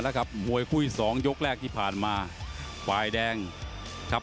เฮ้ยวันนี้เจ้าบัสไปไหนล่ะ